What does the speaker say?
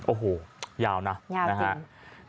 โอ้โหยาวนะยาวจริง